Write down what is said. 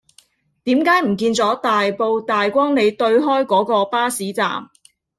點解唔見左大埔大光里對開嗰個巴士站